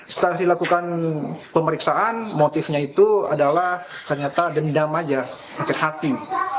setelah dilakukan pemeriksaan motifnya itu adalah ternyata dendam aja sakit hati